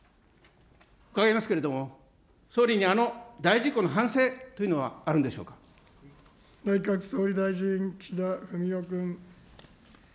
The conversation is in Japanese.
伺いますけれども、総理にあの大事故の反省というのはあるんでし内閣総理大臣、岸田文雄君。